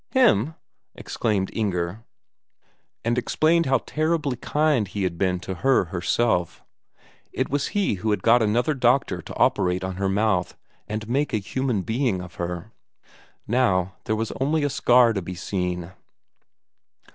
"Him!" exclaimed Inger, and told how kind he had been to her herself; it was he who had got another doctor to operate on her mouth and make a human being of her. Now there was only a scar to be seen.